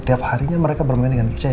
tiap harinya mereka bermain dengan kece